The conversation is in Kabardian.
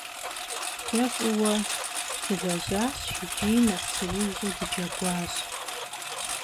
De f'ıue dılejaş yiç'i neguzıuju dıceguaş.